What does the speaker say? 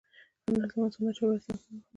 انار د افغانستان د چاپیریال ساتنې لپاره مهم دي.